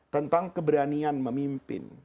tentang keberanian memimpin